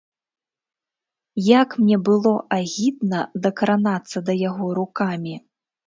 Як мне было агідна дакранацца да яго рукамі.